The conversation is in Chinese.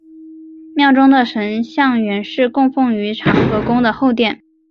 庙中的神像原是供奉于长和宫的后殿。